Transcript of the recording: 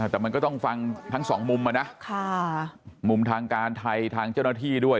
แต่มันก็ต้องฟังทั้งสองมุมนะมุมทางการไทยทางเจ้าหน้าที่ด้วย